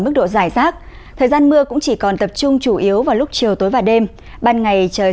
mức độ dài rác thời gian mưa cũng chỉ còn tập trung chủ yếu vào lúc chiều tối và đêm ban ngày trời